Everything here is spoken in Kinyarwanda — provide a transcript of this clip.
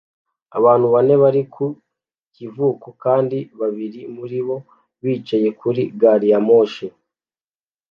Abantu bane bari ku kivuko kandi babiri muri bo bicaye kuri gari ya moshi